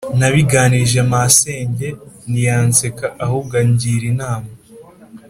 nabiganirije masenge ntiyanseka ahubwo angira inama